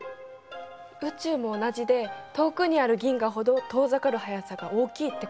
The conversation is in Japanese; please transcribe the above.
宇宙も同じで遠くにある銀河ほど遠ざかる速さが大きいってことなのね。